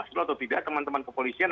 dulu atau tidak teman teman kepolisian